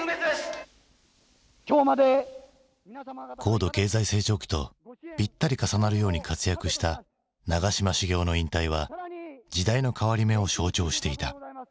高度経済成長期とぴったり重なるように活躍した長嶋茂雄の引退は時代の変わり目を象徴していた。